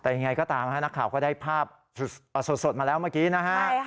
แต่ยังไงก็ตามนักข่าวก็ได้ภาพสดมาแล้วเมื่อกี้นะฮะ